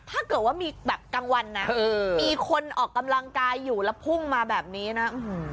ถ้าเกิดว่ามีแบบกลางวันนะมีคนออกกำลังกายอยู่แล้วพุ่งมาแบบนี้นะ